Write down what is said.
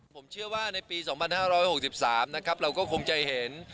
ผมเชื่อว่าในปี๒๕๖๓นะครับเราก็คงจะเห็น